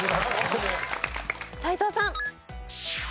斎藤さん。